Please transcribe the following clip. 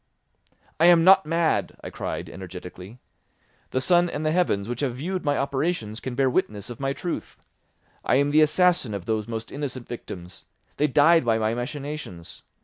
"I am not mad," I cried energetically; "the sun and the heavens, who have viewed my operations, can bear witness of my truth. I am the assassin of those most innocent victims; they died by my machinations.